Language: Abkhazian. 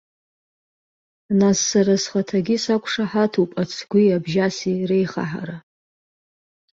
Нас сара схаҭагьы сақәшаҳаҭуп ацгәи абжьаси реихаҳара.